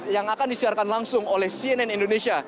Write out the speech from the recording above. yang akan disiarkan langsung oleh cnn indonesia